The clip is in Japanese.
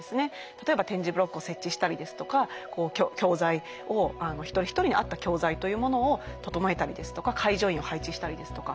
例えば点字ブロックを設置したりですとか教材を一人一人に合った教材というものを調えたりですとか介助員を配置したりですとか。